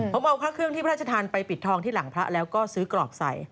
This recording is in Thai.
ผมเอาพระเครื่องที่พระราชทานไปปิดทองที่หลังพระแล้วก็ซื้อกรอกใส่